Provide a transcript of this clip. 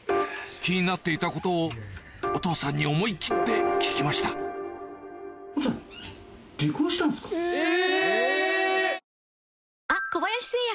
気になっていたことをお父さんに思い切って聞きましたえ！